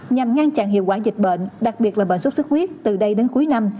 nhằm ngăn chặn hiệu quả dịch bệnh đặc biệt là bệnh sốt sức huyết từ đây đến cuối năm